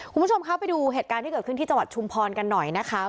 คุณผู้ชมคะไปดูเหตุการณ์ที่เกิดขึ้นที่จังหวัดชุมพรกันหน่อยนะคะ